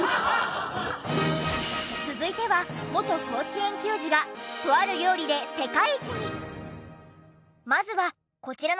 続いては元甲子園球児がとある料理で世界一に！